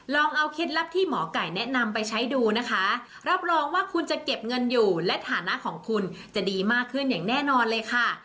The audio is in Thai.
ลองเอาเคล็ดลับที่หมอไก่แนะนำไปใช้ดูนะคะรับรองว่าคุณจะเก็บเงินอยู่และฐานะของคุณจะดีมากขึ้นอย่างแน่นอนเลยค่ะ